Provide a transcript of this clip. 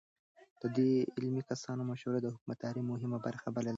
ده د علمي کسانو مشورې د حکومتدارۍ مهمه برخه بلله.